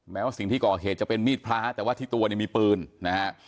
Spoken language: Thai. ว่าสิ่งที่ก่อเหตุจะเป็นมีดพระแต่ว่าที่ตัวเนี่ยมีปืนนะฮะ